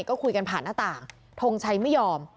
ก็คุยกันผ่านหน้าต่างทงชัยไม่ยอม